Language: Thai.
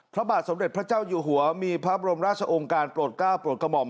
พระบาทสมเด็จพระเจ้าอยู่หัวมีพระบรมราชองค์การโปรดก้าวโปรดกระหม่อม